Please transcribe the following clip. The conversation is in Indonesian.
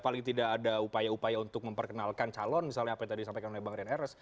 paling tidak ada upaya upaya untuk memperkenalkan calon misalnya apa yang tadi disampaikan oleh bang rian erres